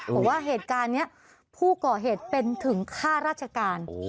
บอกว่าเหตุการณ์นี้ผู้ก่อเหตุเป็นถึงข้าราชการ